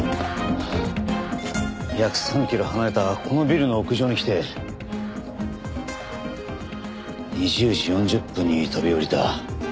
約３キロ離れたこのビルの屋上に来て２０時４０分に飛び降りた。